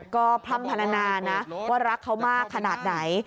ก็พร่ำพนานะว่ารักเขามากขนาดไหน